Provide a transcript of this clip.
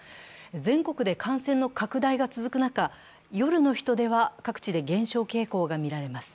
全国で感染の拡大が続く中、夜の人出は各地で減少傾向が見られます。